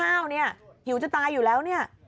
โอนตังไม่ให้๓๐๐สิหิวข้าวนี่หิวจะตายอยู่แล้วนี่